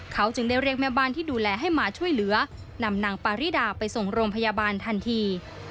เขาจึงได้เรียกแม่บ้านที่ดูแลให้มาช่วยเหลือนำนางปาริดาไปส่งโรงพยาบาลทันที